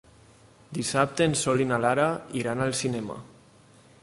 Dissabte en Sol i na Lara iran al cinema.